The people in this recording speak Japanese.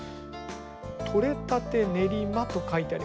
「とれたてねりま」と書いてあります。